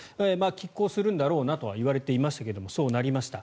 きっ抗するんだろうなとはいわれていましたがそうなりました。